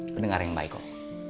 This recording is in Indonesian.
kedenger yang baik kok